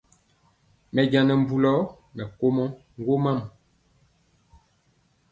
Mɛ njaŋ nɛ mbulɔ, mɛ komɔ ŋgomam.